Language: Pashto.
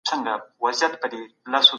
خيال پر رنګينه پاڼه